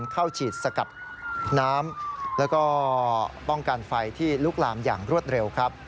เข้าฉีดสกัดน้ำแล้วก็ป้องกันไฟที่ลุกลามอย่างรวดเร็วครับ